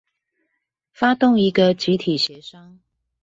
發動一個集體協商